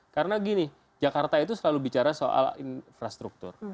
karena gini jakarta itu selalu bicara soal infrastruktur